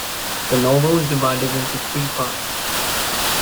The novel is divided into three parts.